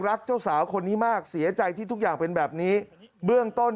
รักเจ้าสาวคนนี้มากเสียใจที่ทุกอย่างเป็นแบบนี้เบื้องต้น